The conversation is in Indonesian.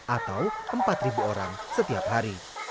atau empat orang setiap hari